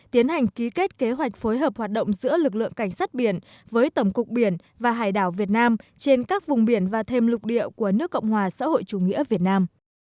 tiến hành ký kết kế hoạch phối hợp hoạt động giữa lực lượng cảnh sát biển với tổng cục biển và hải đảo việt nam trên các vùng biển và thêm lục địa của nước cộng hòa xã hội chủ nghĩa việt nam